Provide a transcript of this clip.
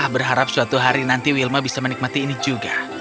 berharap suatu hari nanti wilma bisa menikmati ini juga